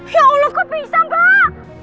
ya allah kok bisa mbak